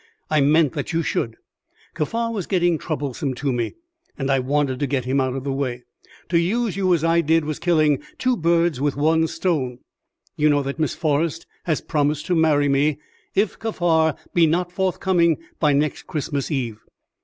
I meant that you should. Kaffar was getting troublesome to me, and I wanted to get him out of the way. To use you as I did was killing two birds with one stone. You know that Miss Forrest has promised to marry me if Kaffar be not forthcoming by next Christmas Eve.